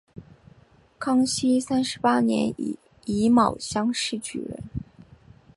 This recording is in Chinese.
康熙三十八年己卯乡试举人。